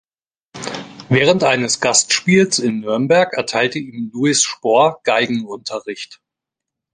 Während eines Gastspiels in Nürnberg erteilte ihm Louis Spohr Geigenunterricht.